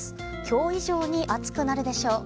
今日以上に暑くなるでしょう。